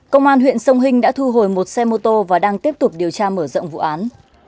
công an huyện sông hinh đã thu hồi một xe mô tô và đang tiếp tục điều tra mở rộng vụ án